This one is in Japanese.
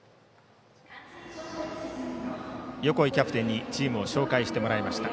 横井キャプテンにチームを紹介してもらいました。